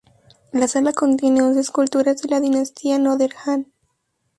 La sala contiene once esculturas de la dinastía Northern Han.